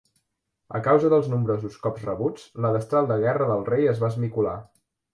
A causa dels nombrosos cops rebuts, la destral de guerra del rei es va esmicolar.